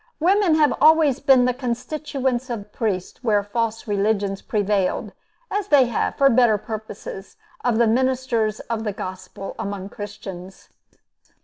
Women have always been the constituents of priests where false religions prevailed, as they have, for better purposes, of the ministers of the Gospel among Christians.